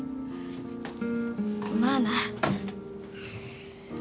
まあな。